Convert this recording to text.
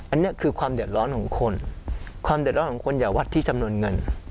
อันนี้คือความเดือดร้อนของคนความเดือดร้อนของคนอย่าวัดที่จำนวนเงิน